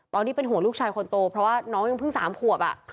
ตอนนี้เป็นห่วงลูกชายคนโตเพราะว่าน้องยังเพิ่ง๓ขวบ